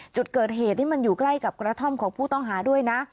จุดเกิดเหตุที่มันอยู่ใกล้กับกระท่อมของผู้ต้องหาด้วยนะ